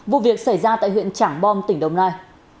vụ việc xảy ra tại huyện trảng bom tỉnh đồng nai